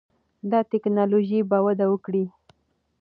دا ټکنالوژي به وده وکړي.